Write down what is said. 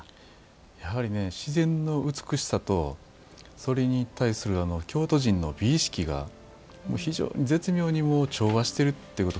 やはり自然の美しさとそれに対する京都人の美意識が非常に絶妙に調和してるということ。